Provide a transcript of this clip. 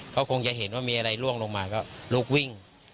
เขาคงจะเห็นว่ามีอะไรล่วงลงมาก็ลุกวิ่ง